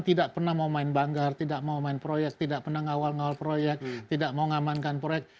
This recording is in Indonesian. tidak pernah mau main banggar tidak mau main proyek tidak pernah ngawal ngawal proyek tidak mau ngamankan proyek